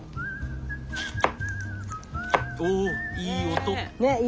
いい音。ね。